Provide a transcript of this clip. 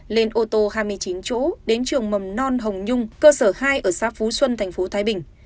lên ô tô hai mươi chín chỗ đến trường mầm non hồng nhung cơ sở hai ở xá phú xuân tp thái bình